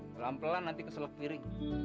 pelan pelan nanti keselak diri